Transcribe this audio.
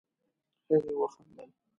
هغې وخندل.